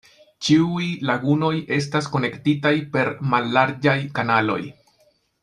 Ĉiuj lagunoj estas konektitaj per mallarĝaj kanaloj.